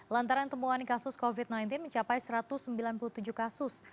lantaran temuan kasus covid sembilan belas mencapai satu ratus sembilan puluh tujuh kasus